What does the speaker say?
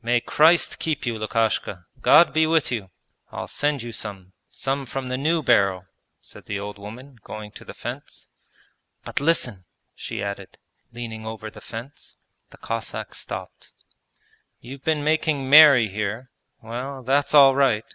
'May Christ keep you, Lukashka. God be with you! I'll send you some, some from the new barrel,' said the old woman, going to the fence: 'But listen,' she added, leaning over the fence. The Cossack stopped. 'You've been making merry here; well, that's all right.